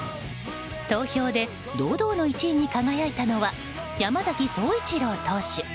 投票で堂々の１位に輝いたのは山崎颯一郎投手。